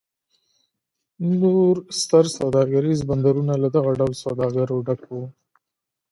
نور ستر سوداګریز بندرونه له دغه ډول سوداګرو ډک و.